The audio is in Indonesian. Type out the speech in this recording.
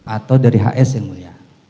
atau dari hs yang mulia